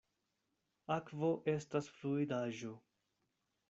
Akvo estas fluidaĵo.